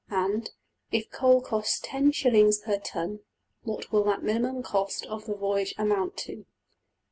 And, if coal costs $10$~shillings per ton, what will that minimum cost of the voyage amount to?